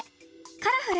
「カラフル！